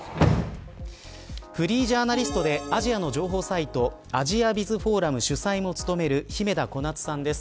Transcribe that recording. フリージャーナリストでアジアの情報サイトアジア・ビズ・フォーラム主宰も務める姫田小夏さんです。